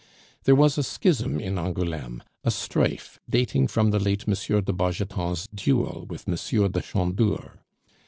There was a schism in Angouleme, a strife dating from the late M. de Bargeton's duel with M. de Chandour.